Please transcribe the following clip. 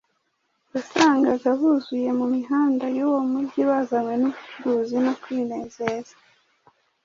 wasangaga buzuye mu mihanda y’uwo mujyi bazanywe n’ubucuruzi no kwinezeza.